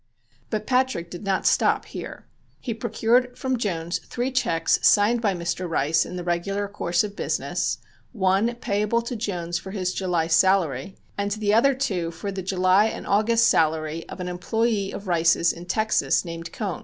But Patrick did not stop here. He procured from Jones three checks signed by Mr. Rice in the regular course of business, one payable to Jones for his July salary and the other two for the July and August salary of an employee of Rice's in Texas named Cohn.